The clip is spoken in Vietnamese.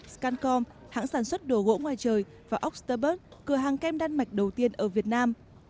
scancom hãng sản xuất đồ gỗ ngoài trời và oxterberg cửa hàng kem đan mạch đầu tiên ở việt nam